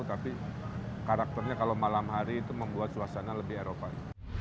tapi karakternya kalau malam hari itu membuat suasana lebih eropad